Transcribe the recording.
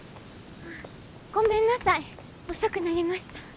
ごめんなさい遅くなりました。